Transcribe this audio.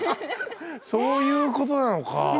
そういうことなのかあ。